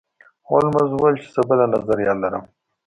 هولمز وویل چې زه بله نظریه لرم.